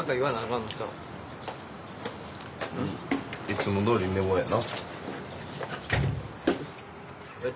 ん？いつもどおり寝坊やな。